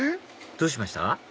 どうしました？